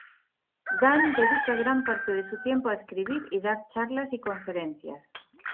Dan dedica gran parte de su tiempo a escribir y dar charlas y conferencias.